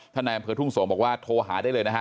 นายอำเภอทุ่งสงศ์บอกว่าโทรหาได้เลยนะฮะ